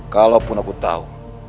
kalaupun aku tahu